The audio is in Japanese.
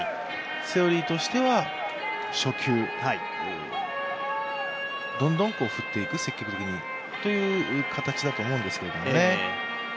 セオリーとしては初球、どんどん積極的に振っていくという形だと思うんですけどね。